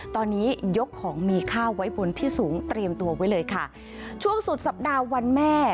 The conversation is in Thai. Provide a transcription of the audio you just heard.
ตอนนี้ยกของมีค่าไว้บนที่สูงเตรียมตัวไว้เลยค่ะช่วงสุดสัปดาห์วันแม่